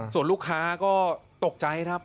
ส่วนลูกค้าก็ตกใจครับ